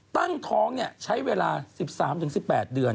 ตั้งท้องใช้เวลา๑๓๑๘เดือน